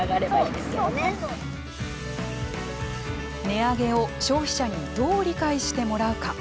値上げを消費者にどう理解してもらうか。